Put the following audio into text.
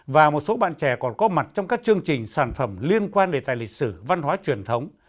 và một số bạn trẻ còn có mặt trong các chương trình sản phẩm liên quan đề tài lịch sử văn hóa truyền thống